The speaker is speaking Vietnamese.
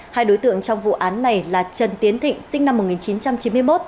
hai đối tượng trong vụ án này là trần tiến thịnh sinh năm một nghìn chín trăm chín mươi một